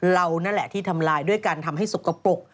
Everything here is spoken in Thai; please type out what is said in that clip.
เรานั่นแหละที่ทำลายด้วยการทำให้สกปรก